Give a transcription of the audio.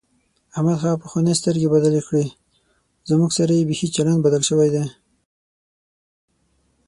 احمد هغه پخوانۍ سترګې بدلې کړې، زموږ سره یې بیخي چلند بدل شوی دی.